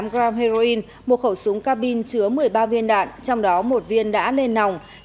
hai tám gram heroin một khẩu súng carbine chứa một mươi ba viên đạn trong đó một viên đã lên nòng